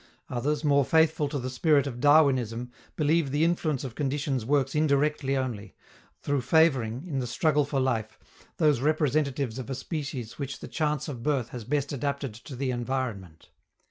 Others, more faithful to the spirit of Darwinism, believe the influence of conditions works indirectly only, through favoring, in the struggle for life, those representatives of a species which the chance of birth has best adapted to the environment.